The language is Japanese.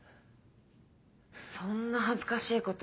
そんな恥ずかしいこと